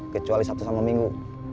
kecuali sabtu sama minggu